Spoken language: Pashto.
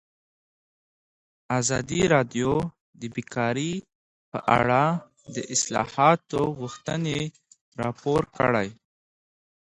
ازادي راډیو د بیکاري په اړه د اصلاحاتو غوښتنې راپور کړې.